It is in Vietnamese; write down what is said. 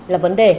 là vấn đề